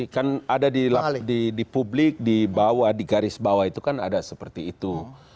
kan ada di publik di bawah di garis bawah itu kan ada seperti itu